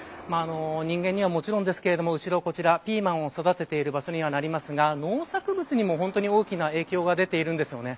人間にはもちろんですがピーマンを育てている場所になりますが、農作物にも大きな影響が出ているんです。